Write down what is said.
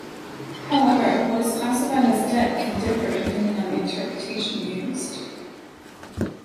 However, what is classified as debt can differ depending on the interpretation used.